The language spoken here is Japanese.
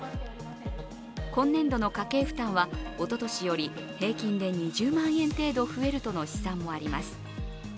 今年度の家計負担はおととしより平均で２０万円程度増えるとの試算もあります。